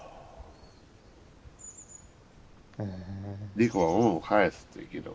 猫は恩を返すっていうけど。